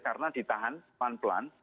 karena ditahan pelan pelan